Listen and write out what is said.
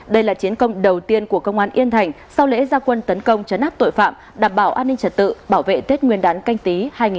đây là chiến công đầu tiên của công an yên thành sau lễ gia quân tấn công chấn áp tội phạm đảm bảo an ninh trật tự bảo vệ tết nguyên đán canh tí hai nghìn hai mươi